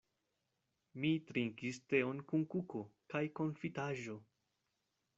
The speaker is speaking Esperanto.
Mi trinkis teon kun kuko kaj konfitaĵo.